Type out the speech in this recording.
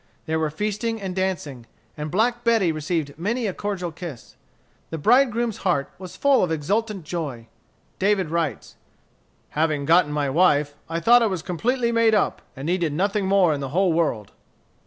There were feasting and dancing; and "Black Betty received many a cordial kiss. The bridegroom's heart was full of exultant joy. David writes: "Having gotten my wife, I thought I was completely made up, and needed nothing more in the whole world."